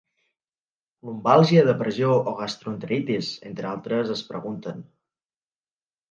Lumbàlgia, depressió o gastroenteritis, entre altres, es pregunten.